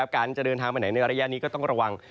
การจะเดินทางไปไหนในระยะนี้ก็ต้องระวัง